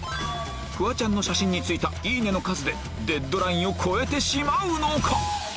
フワちゃんの写真についたいいねの数でデッドラインを超えてしまうのか？